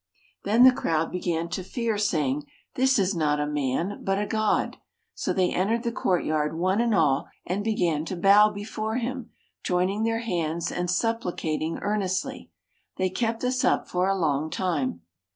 Then the crowd began to fear, saying, "This is not a man, but a god," so they entered the courtyard, one and all, and began to bow before him, joining their hands and supplicating earnestly. They kept this up for a long time.